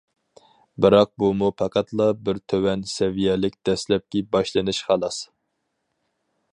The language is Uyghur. بىراق بۇمۇ پەقەتلا بىر تۆۋەن سەۋىيەلىك دەسلەپكى باشلىنىش، خالاس.